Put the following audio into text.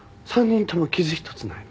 ３人とも傷一つない。